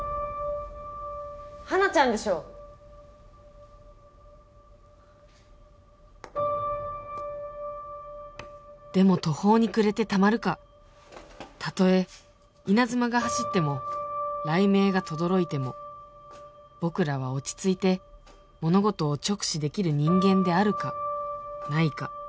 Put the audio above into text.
ハナちゃんでしょでも途方に暮れてたまるかたとえ稲妻が走っても雷鳴がとどろいても僕らは落ち着いて物事を直視できる人間であるかないか